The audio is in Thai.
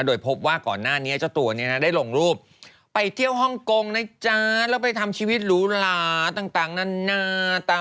อ่ะทำให้ชาวเน็ตเนี่ยพากันนะฮะจับผิดนะในโพสต์นะฮะ